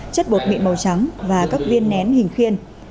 chất bột miệng màu trắng và các viên nén hình khiên